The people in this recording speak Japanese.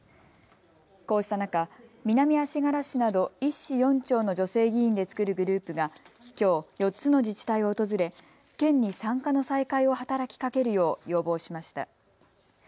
こうした中、南足柄市など１市４町の女性議員で作るグループがきょう４つの自治体を訪れ県に産科の再開を働きかけるよう要望しました。